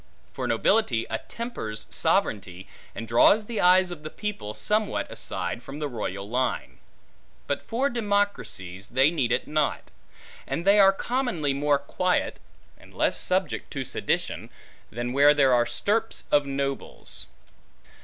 For nobility attempers sovereignty, and draws the eyes of the people, somewhat aside from the line royal. But for democracies, they need it not; and they are commonly more quiet, and less subject to sedition, than where there are stirps of nobles.